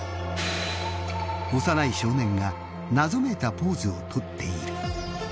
幼い少年が謎めいたポーズを取っている。